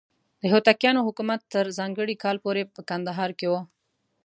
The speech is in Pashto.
د هوتکیانو حکومت تر ځانګړي کال پورې په کندهار کې و.